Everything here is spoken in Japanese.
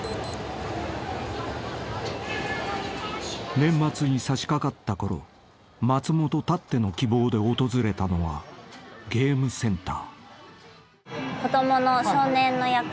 ［年末にさしかかったころ松本たっての希望で訪れたのはゲームセンター］